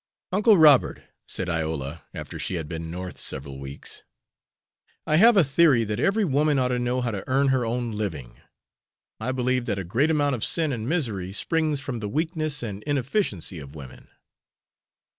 "Uncle Robert," said Iola, after she had been North several weeks, "I have a theory that every woman ought to know how to earn her own living. I believe that a great amount of sin and misery springs from the weakness and inefficiency of women."